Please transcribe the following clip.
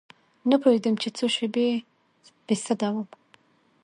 نه پوهېدم چې څو شپې بې سده وم.